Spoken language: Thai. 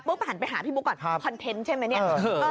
ปุ๊บถันไปหาพี่มุกอ่ะคอนเทนต์ใช่ไหม